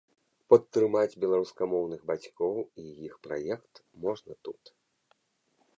Падтрымаць беларускамоўных бацькоў і іх праект можна тут.